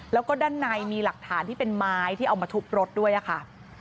แล้วก็ด้านในมีหลักฐานที่เป็นไม้ที่เอามาทุบรถด้วยค่ะ